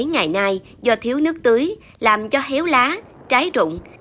trong thời gian này do thiếu nước tưới làm cho héo lá trái rụng